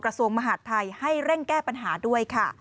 กระทรวงมหาดไทยให้เร่งแก้ปัญหาด้วยค่ะ